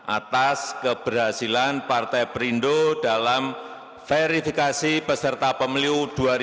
atas keberhasilan partai perindo dalam verifikasi beserta pemiliu dua ribu sembilan belas